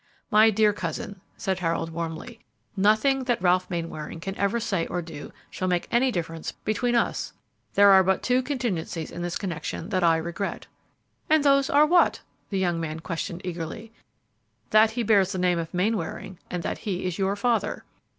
"My dear cousin," said Harold, warmly, "nothing that Ralph Mainwaring can ever say or do shall make any difference between us. There are but two contingencies in this connection that I regret." "And those are what?" the younger man questioned eagerly. "That he bears the name of Mainwaring, and that he is your father!"